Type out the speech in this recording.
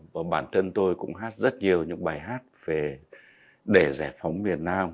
và bản thân tôi cũng hát rất nhiều những bài hát để giải phóng việt nam